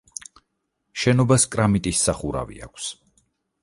შენობას კრამიტის სახურავი აქვს.